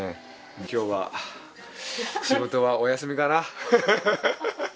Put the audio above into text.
今日は仕事はお休みかな。